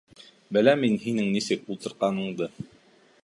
— Беләм мин һинең нисек ултыртҡаныңды.